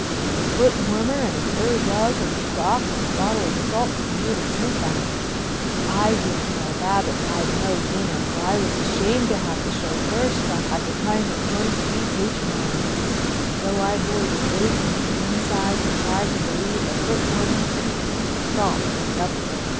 A footwarmer and a fur rug and a clock and a bottle of salts for me to sniff at. I didn't tell Babbitts I'd had no dinner, for I was ashamed to have the chauffeur stop at the kind of joints we patronize, and so I bore the ache in my insides and tried to believe the footwarmer and the salts made up for it.